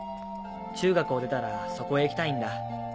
中学を出たらそこへ行きたいんだ。